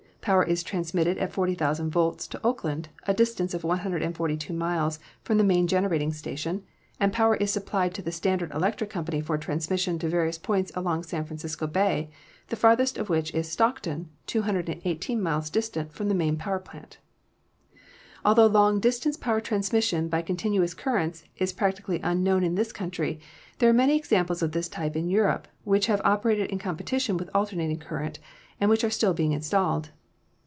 Power is transmitted at 40,000 volts to Oakland, a distance of 142 miles from the main gen erating station, and power is supplied to the Standard Electric Company for transmission to various points along San Francisco Bay, the farthest of which is Stockton, 218 miles distant from the main power plant." Altho long distance power transmission by continuous currents is practically unknown in this country, there are many examples of this type in Europe which have operated in competition with alternating current, and which are still being installed.